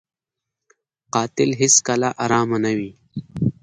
قاتل هېڅکله ارامه نه وي